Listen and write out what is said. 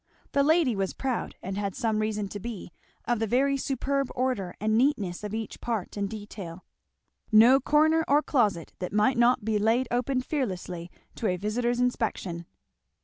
The lady was proud, and had some reason to be, of the very superb order and neatness of each part and detail. No corner or closet that might not be laid open fearlessly to a visitor's inspection.